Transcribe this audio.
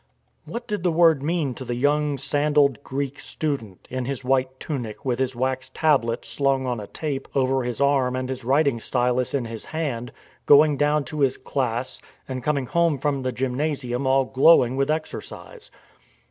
What did the word mean to the young sandalled Greek student, in his white tunic with his wax tablet slung on a tape over his arm and his writing stylus in his hand, going down to his class, or coming home from the gymnasium all glowing with exercise?